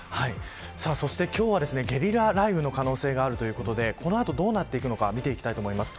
そして今日はゲリラ雷雨の可能性があるということでこの後どうなっていくのか見ていきたいと思います。